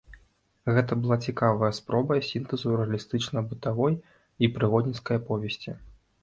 Гэта была цікавая спроба сінтэзу рэалістычна-бытавой і прыгодніцкай аповесці.